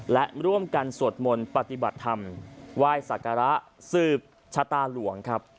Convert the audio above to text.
และร่วมกันสวดมนต์ปฏิบัติธรรมไหว้สักการะสืบชะตาหลวงครับ